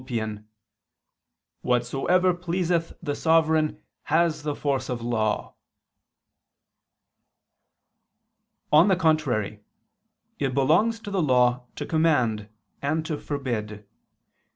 Prin. leg. i): "Whatsoever pleaseth the sovereign, has force of law." On the contrary, It belongs to the law to command and to forbid.